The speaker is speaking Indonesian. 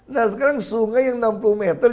nah sekarang sungai yang enam puluh meter